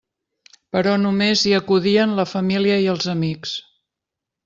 Però només hi acudien la família i els amics.